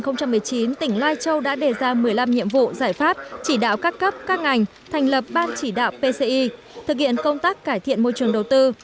năm hai nghìn một mươi chín tỉnh lai châu đã đề ra một mươi năm nhiệm vụ giải pháp chỉ đạo các cấp các ngành thành lập ban chỉ đạo pci thực hiện công tác cải thiện môi trường đầu tư